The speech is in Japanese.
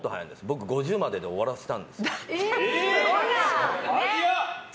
僕、５０までで終わらせたんです。